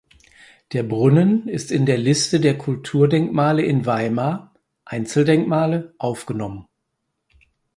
Der Brunnen ist in der Liste der Kulturdenkmale in Weimar (Einzeldenkmale) aufgenommen.